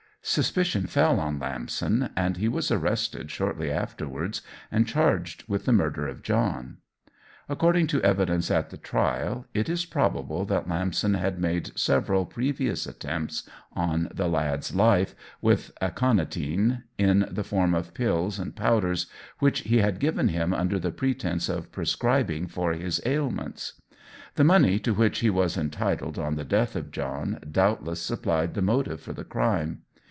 Suspicion fell on Lamson, and he was arrested shortly afterwards, and charged with the murder of John. According to evidence at the trial, it is probable that Lamson had made several previous attempts on the lad's life, with aconitine, in the form of pills and powders, which he had given him under the pretence of prescribing for his ailments. The money to which he was entitled on the death of John doubtless supplied the motive for the crime.